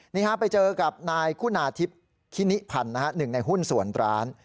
นี้ไปเจอกับนายไอผู้นาทิพย์ขินิพันธุ์๑ในหุ้นสวนร้าน